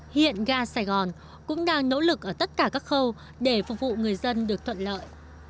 hiện ga sài gòn cũng đang nỗ lực ở tất cả các khâu để phục vụ người dân được thuận lợi